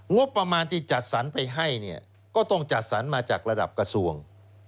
งบประมาณที่จัดสรรไปให้เนี่ยก็ต้องจัดสรรมาจากระดับกระทรวง